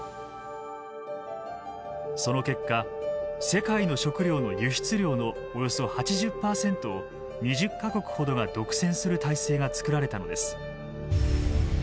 その結果世界の食料の輸出量のおよそ８０％を２０か国ほどが独占する体制が作られたのです。